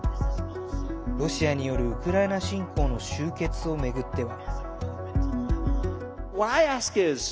ロシアによるウクライナ侵攻の終結を巡っては。